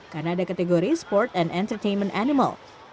karena ada kategori sport and entertainment animal